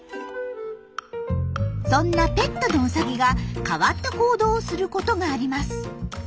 そんなペットのウサギが変わった行動をすることがあります。